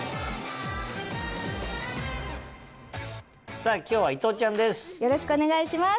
さぁ今日は伊藤ちゃんです。